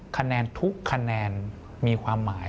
คะแนนทุกคะแนนมีความหมาย